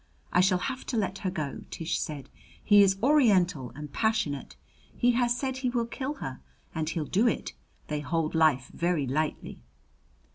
"I shall have to let her go," Tish said. "He is Oriental and passionate. He has said he will kill her and he'll do it. They hold life very lightly."